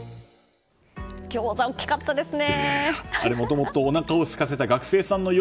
ギョーザ、大きかったですね！